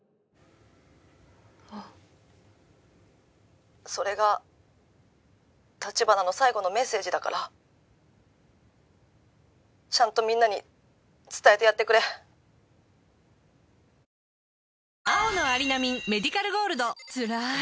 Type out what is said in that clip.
あ☎それが☎立花の最後のメッセージだから☎ちゃんとみんなに伝えてやってくれ美月